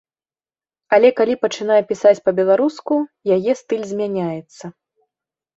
Але калі пачынае пісаць па-беларуску, яе стыль змяняецца.